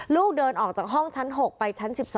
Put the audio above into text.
ลูกเดินออกจากห้องชั้น๖ไปชั้น๑๒